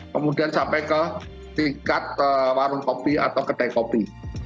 kemudian sampai ke tingkat warung kopi atau kedai kopi